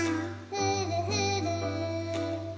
ふるふる。